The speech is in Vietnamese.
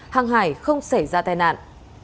hàng hải không xảy ra tai nạn